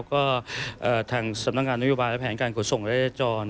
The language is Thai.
ก็ทางสำนักงานนโยบายและแผนการขนส่งและจราจร